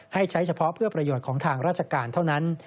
ให้ใช้เฉพาะเพื่อประโยชน์ของทางราชการเท่านั้น